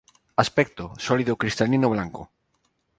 Aspecto: Sólido cristalino blanco.